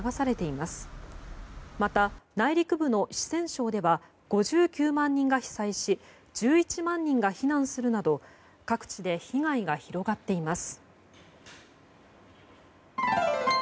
また、内陸部の四川省では５９万人が被災し１１万人が避難するなど各地で被害が広がっています。